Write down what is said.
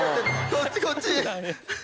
こっちこっち。